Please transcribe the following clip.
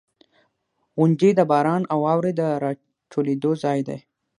• غونډۍ د باران او واورې د راټولېدو ځای دی.